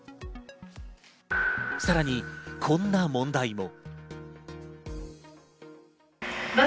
さらに、こんな問題も。